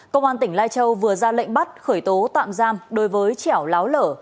công an tỉnh lai châu vừa ra lệnh bắt khởi tố tạm giam đối với trẻo láo lở